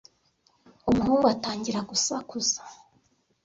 Umuhungu atangira gusakuza.